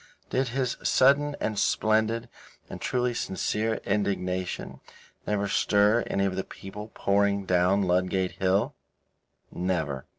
Did his sudden and splendid and truly sincere indignation never stir any of the people pouring down Ludgate Hill? Never.